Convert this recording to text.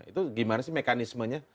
itu gimana sih mekanismenya